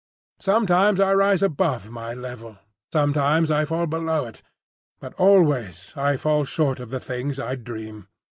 Sometimes I rise above my level, sometimes I fall below it; but always I fall short of the things I dream.